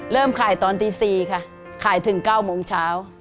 เริ่มขายตอนตี๔ค่ะขายถึง๙โมงเช้า